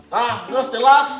nah terus jelas